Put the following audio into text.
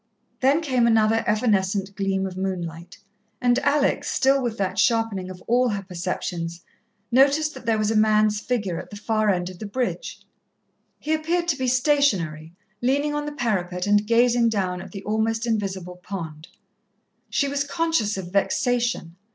Then came another evanescent gleam of moonlight, and Alex, still with that sharpening of all her perceptions, noticed that there was a man's figure at the far end of the bridge. He appeared to be stationary, leaning on the parapet and gazing down at the almost invisible pond. She was conscious of vexation.